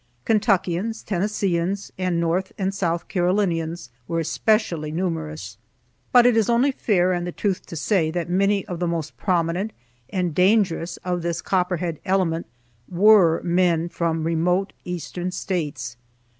Kentuckians, Tennesseeans, and North and South Carolinians were especially numerous. But it is only fair and the truth to say that many of the most prominent and dangerous of this Copperhead element were men from remote Eastern States.